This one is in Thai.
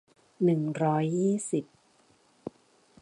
หนึ่งร้อยยี่สิบ